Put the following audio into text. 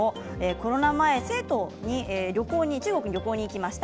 コロナ前中国に旅行に行きました。